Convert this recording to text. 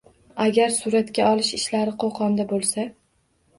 Agar suratga olish ishlari Qo‘qonda bo‘lsa.